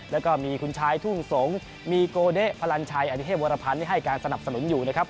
แล้วก็มีคุณชายทุ่งสงศ์มีโกเดะพลันชัยอดิเทพวรพันธ์ให้การสนับสนุนอยู่นะครับ